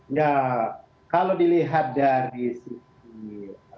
nah kalau dilihat dari sisi